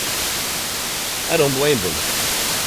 I don't blame them.